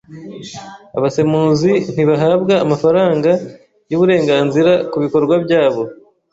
Abasemuzi ntibahabwa amafaranga yuburenganzira kubikorwa byabo.